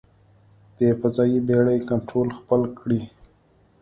د فضايي بېړۍ کنټرول خپل کړي.